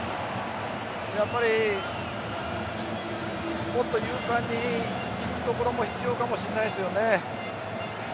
やっぱりもっと勇敢に行くところも必要かもしれないですね。